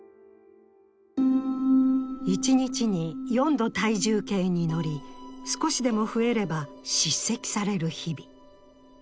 一日に４度、体重計に乗り、少しでも増えれば叱責される日々。